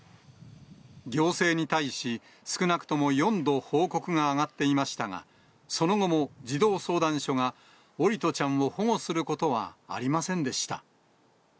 行政に対し、少なくとも４度、報告が上がっていましたが、その後も児童相談所が桜利斗ちゃんを保護することはありませんでした。